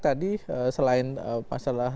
tadi selain masalah